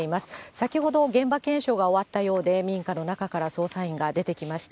先ほど、現場検証が終わったようで、民家の中から、捜査員が出てきました。